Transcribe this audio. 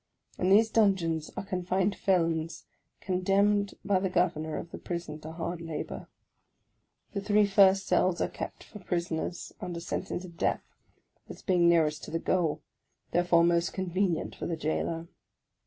In these dungeons are confined felons condemned by the Governor of the Prison to hard labour. The three first cells are kept for prisoners under sentence of death, as being nearest to the goal, therefore most convenient for the jailor.